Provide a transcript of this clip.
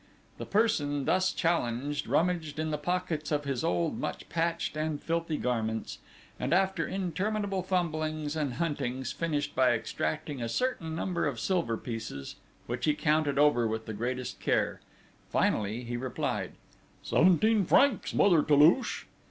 The person thus challenged rummaged in the pockets of his old, much patched and filthy garments, and after interminable fumblings and huntings, finished by extracting a certain number of silver pieces, which he counted over with the greatest care, finally he replied: "Seventeen francs, Mother Toulouche."